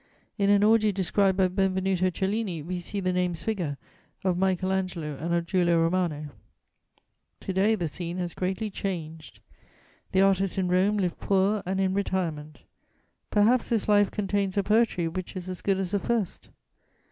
In an orgy described by Benvenuto Cellini we see the names figure of Michael Angelo and of Giulio Romano. To day the scene has greatly changed; the artists in Rome live poor and in retirement. Perhaps this life contains a poetry which is as good as the first.